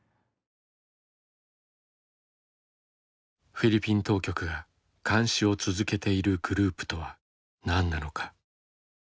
フィリピン当局が監視を続けているグループとは何なのか。